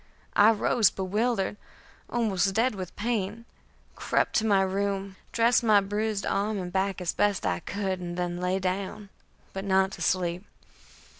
I rose, bewildered, almost dead with pain, crept to my room, dressed my bruised arms and back as best I could, and then lay down, but not to sleep.